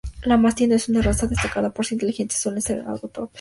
El mastín no es una raza destacada por su inteligencia, suelen ser algo torpes.